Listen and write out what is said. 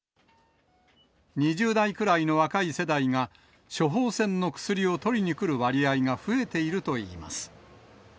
２０代くらいの若い世代が、処方箋の薬を取りに来る割合が増えているといいます。